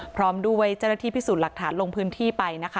พร้อมด้วยเจ้าหน้าที่พิสูจน์หลักฐานลงพื้นที่ไปนะคะ